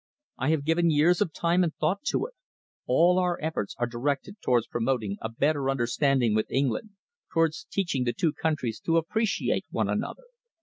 I have given years of time and thought to it. All our efforts are directed towards promoting a better understanding with England, towards teaching the two countries to appreciate one another.